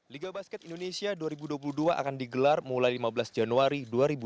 liga basket indonesia dua ribu dua puluh dua akan digelar mulai lima belas januari dua ribu dua puluh